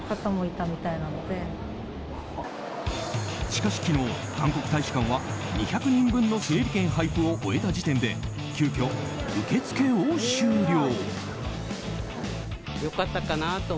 しかし昨日、韓国大使館は２００人分の整理券配布を終えた時点で急きょ、受け付けを終了。